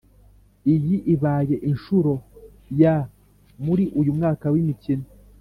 iyi ibaye inshuro ya muri uyu mwaka w’imikino